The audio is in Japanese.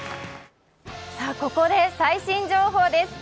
ここで最新情報です。